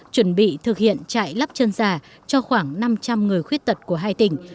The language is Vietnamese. chuẩn bị thực hiện chạy lắp chân giả cho khoảng năm trăm linh người khuyết tật của hai tỉnh